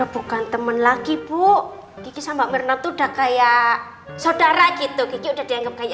bukan temen lagi bu kisah mbak mirna tuh udah kayak saudara gitu udah dianggap kayak